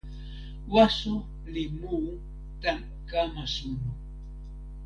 waso li mu tan kama suno.